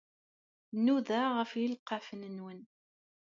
Nnuda ɣef ileqqafen-nwen.